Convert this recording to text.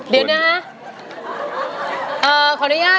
เดี๋ยวนะฮะ